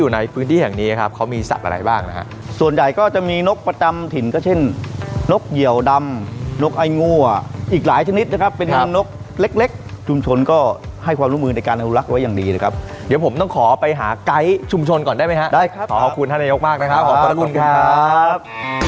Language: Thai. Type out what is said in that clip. เดี๋ยวผมต้องขอไปหาไกด์ชุมชนก่อนได้ไหมครับได้ครับขอขอบคุณท่านนายกมากนะครับขอบคุณครับ